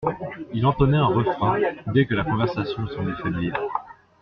Il entonnait un refrain, dès que la conversation semblait faiblir.